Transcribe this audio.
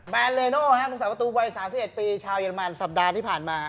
แบรนด์เรโน่ภาพรุ่งสาวประตูวัย๓๑ปีชาวเยอรมันสัปดาห์ที่ผ่านมา